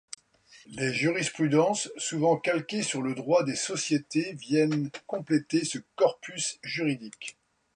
Les jurisprudences, souvent calquées sur le droit des sociétés viennent compléter ce corpus juridique.